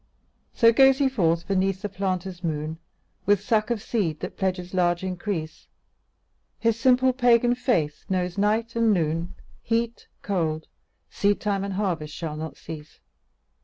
So goes he forth beneath the planter's moon With sack of seed that pledges large increase, His simple pagan faith knows night and noon, Heat, cold, seedtime and harvest shall not cease.